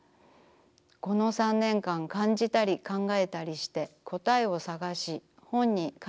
この３年間感じたり考えたりしてこたえを探し本に書いてきました。